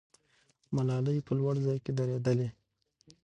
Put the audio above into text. ملالۍ په لوړ ځای کې درېدلې.